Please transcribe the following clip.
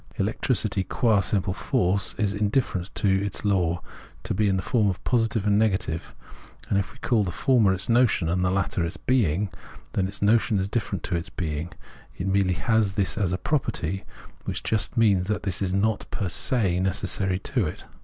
Electricity qua simple force is indifferent to its law — to be in the form of positive and negative; and if we call the former its notion and the latter its being, then its notion is indifferent to its being ; it merely has this as a property, which just means that this is not per se necessary to it.